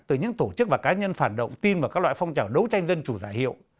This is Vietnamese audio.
từ những tổ chức và cá nhân phản động tin vào các loại phong trào đấu tranh dân chủ giả hiệu